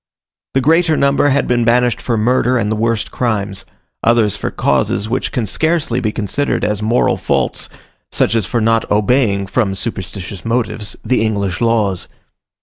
The greater number had been banished for murder and the worst crimes; others for causes which can scarcely be considered as moral faults, such as for not obeying, from superstitious motives, the English laws.